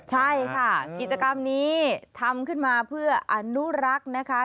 ใช่ค่ะกิจกรรมนี้ทำขึ้นมาเพื่ออนุรักษ์นะคะ